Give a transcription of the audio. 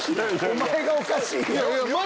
お前がおかしいやん！